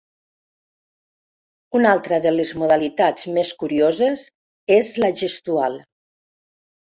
Una altra de les modalitats més curioses és la gestual.